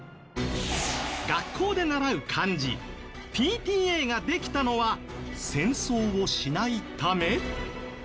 学校で習う漢字ＰＴＡができたのは戦争をしないため？